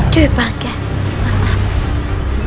dua bangga maaf